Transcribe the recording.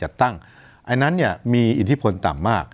เห็นงานนี้มีอินทิพลต่ำมาก